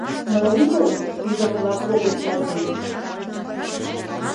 — Мо лийын? — ӱдыр-влак огыт чакне.